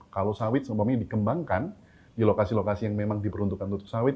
kalau sawit seumpamanya dikembangkan di lokasi lokasi yang memang diperuntukkan untuk sawit